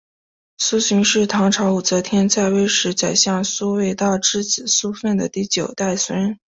苏洵是唐朝武则天在位时的宰相苏味道之子苏份的第九代孙。